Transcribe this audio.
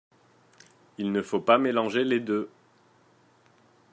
Il ne faut pas mélanger les deux.